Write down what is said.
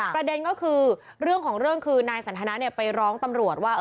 ประเด็นก็คือเรื่องของเรื่องคือนายสันทนาไปร้องตำรวจว่า